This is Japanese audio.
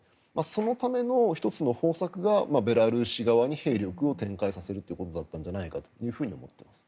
そのための１つの方策がベラルーシ側に兵力を展開させるということだったんじゃないかなと思っています。